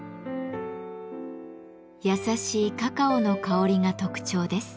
優しいカカオの香りが特徴です。